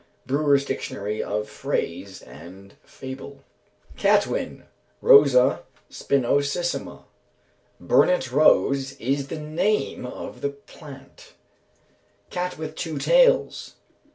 BREWER'S Dictionary of Phrase and Fable. Catwhin. Rosa spinosissima. Burnet Rose is the name of the plant. _Cat with two tails.